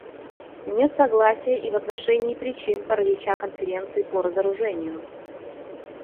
Нет согласия и в отношении причин паралича Конференции по разоружению.